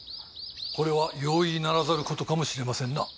これは容易ならざる事かもしれませんな。